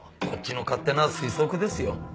こっちの勝手な推測ですよ。